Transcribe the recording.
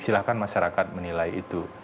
silakan masyarakat menilai itu